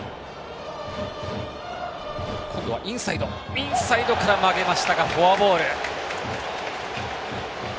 インサイドから曲げましたがフォアボール。